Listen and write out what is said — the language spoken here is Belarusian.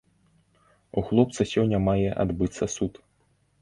У хлопца сёння мае адбыцца суд.